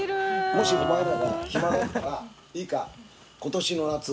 もしお前らが暇だったらいいか？